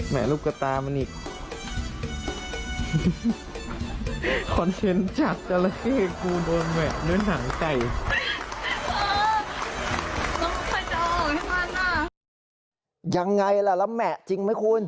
แหมะจริงไหมคุณ